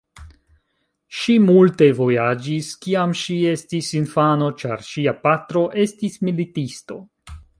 Ŝi multe vojaĝis kiam ŝi estis infano, ĉar ŝia patro estis militisto.